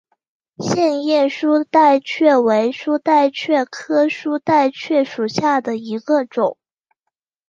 线叶书带蕨为书带蕨科书带蕨属下的一个种。